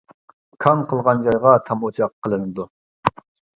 كاڭ قىلغان جايغا تام ئوچاق قىلىنىدۇ.